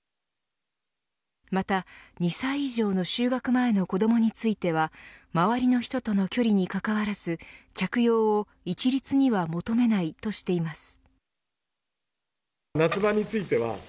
また２歳以上の就学前の子どもについては周りの人との距離にかかわらず着用を一律には求めないとしています。